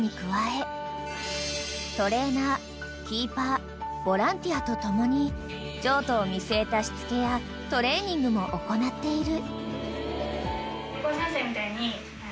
［トレーナーキーパーボランティアと共に譲渡を見据えたしつけやトレーニングも行っている］